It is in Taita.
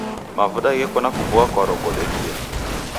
Mavuda gheko nakuboa kwaro kodekia.